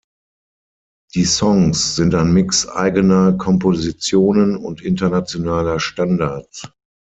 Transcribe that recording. Die Songs sind ein Mix eigener Kompositionen und internationaler Standards.